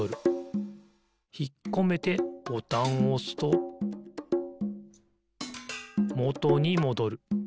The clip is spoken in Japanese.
ひっこめてボタンをおすともとにもどる。